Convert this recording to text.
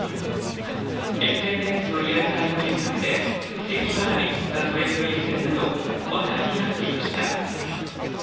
ＳＮＳのリアルタイム検索でせき払いがトレンド入りするなど話題になっていました。